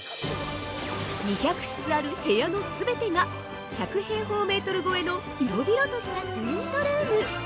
◆２００室ある部屋の全てが１００平方メートル超えの広々としたスイートルーム。